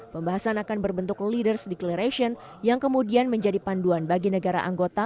pembahasan akan berbentuk leaders declaration yang kemudian menjadi panduan bagi negara anggota